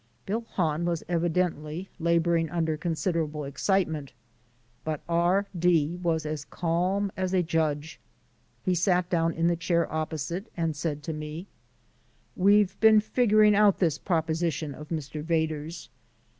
Bill Hahn was evidently labouring under considerable excitement, but R D was as calm as a judge. He sat down in the chair opposite and said to me: "We've been figuring out this proposition of Mr. Vedder's.